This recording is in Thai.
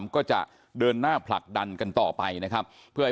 ก็จะเดินหน้าผลักดันกันต่อไปนะครับเพื่อให้